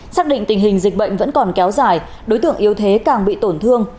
xác định tình hình dịch bệnh vẫn còn kéo dài đối tượng yếu thế càng bị tổn thương